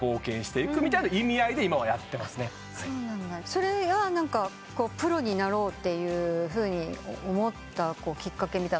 それがプロになろうというふうに思ったきっかけはあるんですか？